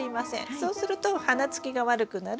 そうすると花つきが悪くなる。